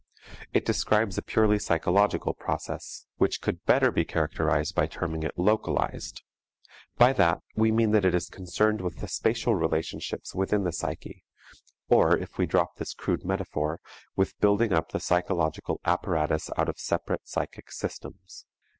It describes a purely psychological process, which could better be characterized by terming it localized. By that we mean that it is concerned with the spatial relationships within the psyche, or if we drop this crude metaphor, with building up the psychological apparatus out of separate, psychic systems.